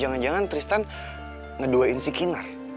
jangan jangan tristan ngeduain si kinar